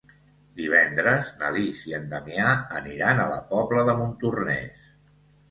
Divendres na Lis i en Damià aniran a la Pobla de Montornès.